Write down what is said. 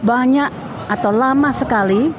banyak atau lama sekali